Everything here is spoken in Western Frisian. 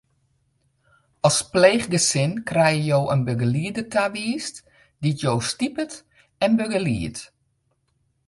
As pleechgesin krije jo in begelieder tawiisd dy't jo stipet en begeliedt.